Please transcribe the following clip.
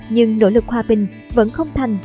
nhưng nỗ lực hòa bình vẫn không thành